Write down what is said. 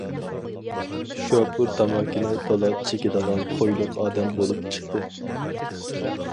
شوپۇر تاماكىنى تولا چېكىدىغان خۇيلۇق ئادەم بولۇپ چىقتى.